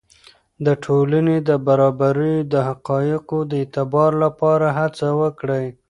د ټولنې د برابریو د حقایقو د اعتبار لپاره هڅه وکړئ.